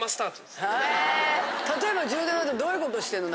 例えば１０：０でどういうことしてるの？